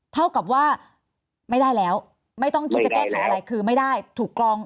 เท่ากับว่าไม่ได้แล้วไม่ต้องคิดจะแก้ไขอะไรคือไม่ได้ถูกกรอง